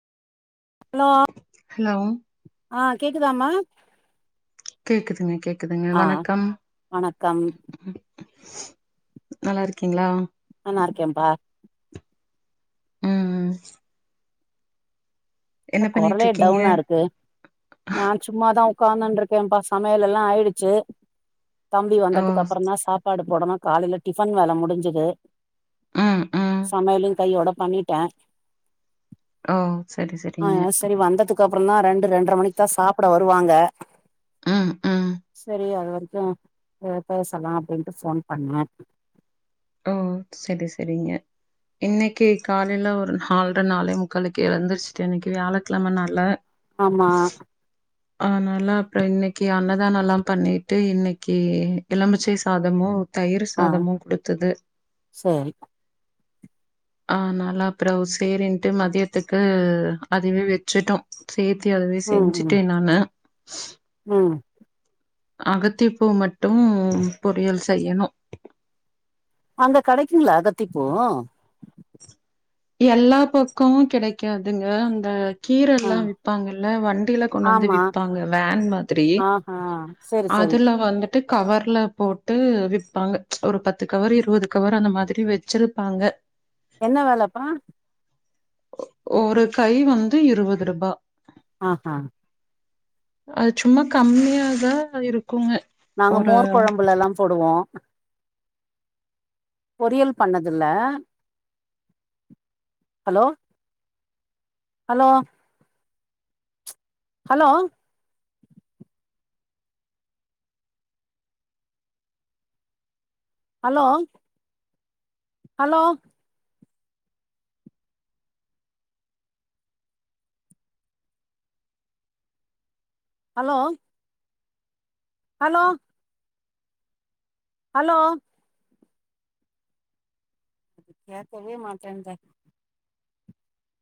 hello hello ஆ கேக்குதாம கேக்குதுங்க கேக்குதுங்க ஆ வணக்கம் வணக்கம் நல்லா இருக்கீங்ளா நல்லா இருக்கே பா ம் ம் என்ன குரல பண்ணிட்ருக்கீங்க டவுனா இருக்கு நான் சும்மாதா உட்கார்ந்துனு இருக்கேன்ப்பா சமையல் எல்லா ஆயிடுச்சு தம்பி ஓ வந்ததுக்கு அப்புற தா சாப் சாப்பாடு போடணு காலையில டிஃபன் வேல முடிஞ்சது ம் ம் சமையலு கையோட பண்ணிட்ட ஓ சரி ஆ சரிங்க சரி வந்ததுக்கு அப்புற தா ரெண்டு ரெண்டரை மணிக்கு தா சாப்பட வருவாங்க ம் ம் சரி அது வரைக்கு எதா பேசலா அப்டின்ட்டு போன் பண்ண ஓ சரி சரிங்க இன்னைக்கி காலையில ஒரு நால்ற நாளே முக்கலுக்கு எழுந்துருச்சுட்ட இன்னைக்கி வியாழக்கிழம நாள ஆமா அதனால அப்புற இன்னைக்கிஅன்னதான எல்லாம் பண்ணிட்டு இன்னைக்கி எலமிச்சை சாதமு தயிர் ஆ சாதமு குடுத்தது சரி ஆனால அப்புறோ சேரின்ட்டு மதியத்துக்கு அதுவே வெச்சிட்டோ சேர்த்தி அதுவே ம் ம் செஞ்சுட்டே நானு ம் அகத்திப்பூ மட்டும் பொரியல் செய்யணு அங்க கடைக்குங்ளா அகத்திப்பூ எல்லா பக்கமு கெடைக்காதுங்க அந்த கீர ஆ எல்லா விற்பாங்கல்ல வண்டியில கொண்டு வந்து ஆமா விற்பாங்க வேன் மாதிரி ஆ சரி சரி ல வந்துட்டு கவர்ல போட்டு விப்பாங்க ஒரு பத்து கவர் இருபது கவர் அந்த மாதிரி வச்சிருப்பாங்க என்ன வேலப்பா ஒரு கை வந்து இருபது ரூபா ஆஹா அது சும்மா கம்மியாதா இருக்குங்க நாங்க ஒரு மோர் கொழம்புல எல்லா போடுவோ பொறியல் பண்ணதில்ல hello hello hello hello hello hello hello hello கேக்கவே மாட்டேந்தே